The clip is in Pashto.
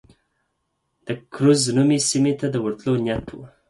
د کرز نومي سیمې ته د ورتلو نیت و.